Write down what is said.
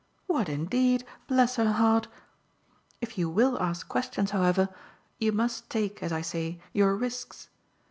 "What indeed, bless her heart? If you WILL ask questions, however, you must take, as I say, your risks.